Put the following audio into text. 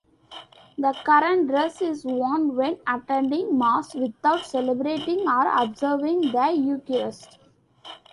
The current dress is worn when attending Mass without celebrating or observing the Eucharist.